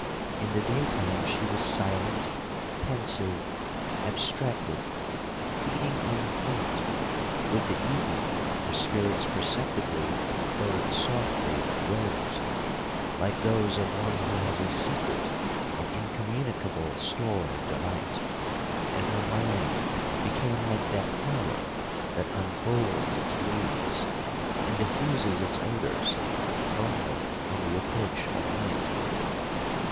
In the day time she was silent, pensive, abstracted, feeding on thought—with the evening her spirits perceptibly though softly rose, like those of one who has a secret and incommunicable store of delight; and her mind became like that flower that unfolds its leaves, and diffuses its odours, only on the approach of night.